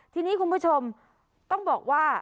ทีนี้คุณผู้ชมต้องบอกว่า